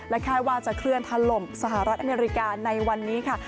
คาดว่าจะเคลื่อนถล่มสหรัฐอเมริกาในวันนี้ค่ะ